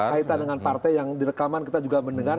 ya kaitan dengan partai yang direkaman kita juga mendengar